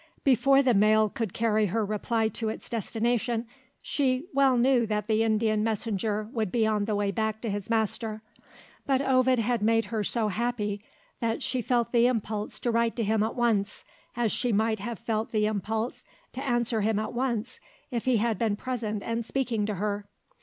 Before the mail could carry her reply to its destination, she well knew that the Indian messenger would be on the way back to his master. But Ovid had made her so happy that she felt the impulse to write to him at once, as she might have felt the impulse to answer him at once if he had been present and speaking to her.